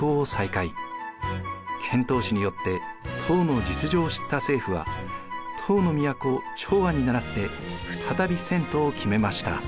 遣唐使によって唐の実情を知った政府は唐の都長安にならって再び遷都を決めました。